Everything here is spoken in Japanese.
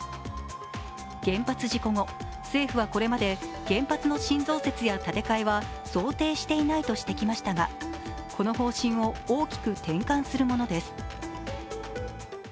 原発事故後、政府はこれまで原発の新増設や建て替えは想定していないとしてきましたが、この方針を大きく転換するものです。